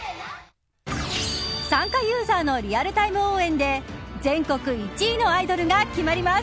参加ユーザーのリアルタイム応援で全国１位のアイドルが決まります。